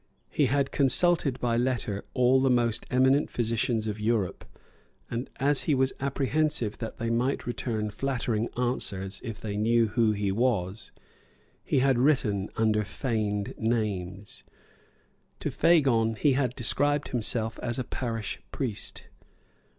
He had consulted by letter all the most eminent physicians of Europe; and, as he was apprehensive that they might return flattering answers if they knew who he was, he had written under feigned names. To Fagon he had described himself as a parish priest.